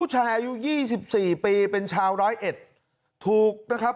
ผู้ชายอายุยี่สิบสี่ปีเป็นชาวร้อยเอ็ดถูกนะครับ